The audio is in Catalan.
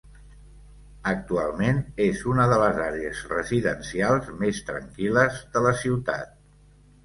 Actualment és una de les àrees residencials més tranquil·les de la ciutat.